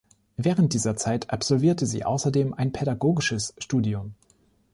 Während dieser Zeit absolvierte sie außerdem ein pädagogisches Studium.